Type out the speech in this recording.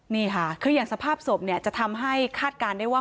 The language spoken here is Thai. นี่ค่ะคืออย่างสภาพศพเนี่ยจะทำให้คาดการณ์ได้ว่า